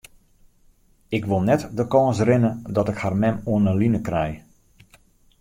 Ik wol net de kâns rinne dat ik har mem oan 'e line krij.